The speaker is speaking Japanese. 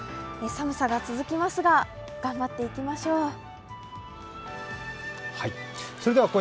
寒さが続きますが、頑張っていきましょう。